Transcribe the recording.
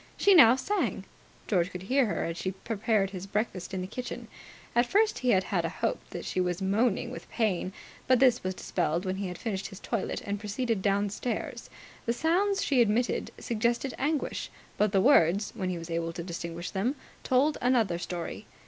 She now sang. George could hear her as she prepared his breakfast in the kitchen. At first he had had a hope that she was moaning with pain; but this was dispelled when he had finished his toilet and proceeded downstairs. The sounds she emitted suggested anguish, but the words, when he was able to distinguish them, told another story.